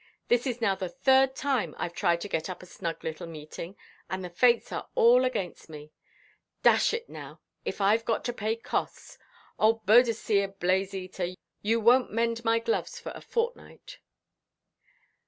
This is now the third time Iʼve tried to get up a snug little meeting, and the fates are all against me. Dash it, now, if Iʼve got to pay costs, O Boadicea Blazeater, you wonʼt mend my gloves for a fortnight."